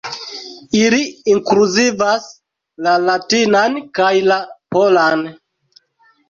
Ili inkluzivas la latinan kaj la polan.